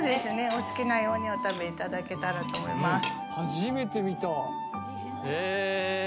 お好きなようにお食べいただけたらと思います。